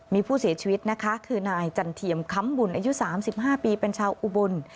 มีผู้เสียชีวิตนะคะคือนายจันเทียมค้ำบุญอายุ๓๕ปีเป็นชาวอุบล